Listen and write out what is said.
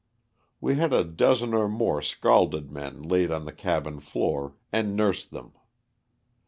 We had a dozen or more scalded men laid on the cabin floor, and nursed them.